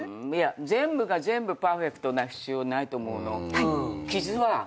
全部が全部パーフェクトな必要ないと思うの。